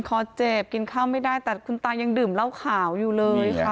คอเจ็บกินข้าวไม่ได้แต่คุณตายังดื่มเหล้าขาวอยู่เลยค่ะ